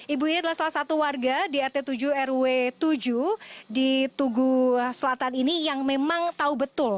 ibu ini adalah salah satu warga di rt tujuh rw tujuh di tugu selatan ini yang memang tahu betul